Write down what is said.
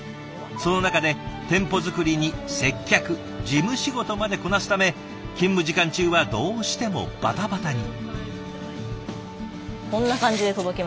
その中で店舗作りに接客事務仕事までこなすため勤務時間中はどうしてもバタバタに。